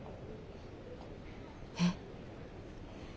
えっ？